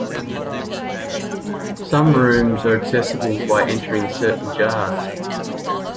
Some rooms are accessible by entering certain jars.